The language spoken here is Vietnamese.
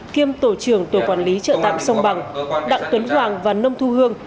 kiêm tổ trưởng tổ quản lý chợ tạm sông bằng đặng tuấn hoàng và nông thu hương